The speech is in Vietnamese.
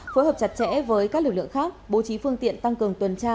phối hợp chặt chẽ với các lực lượng khác bố trí phương tiện tăng cường tuần tra